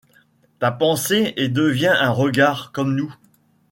Ta pensée, et deviens un regard ; comme nous.